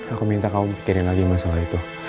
aku minta kamu pikirin lagi masalah itu